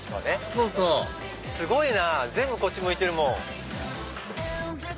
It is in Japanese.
そうそうすごいなぁ全部こっち向いてるもん。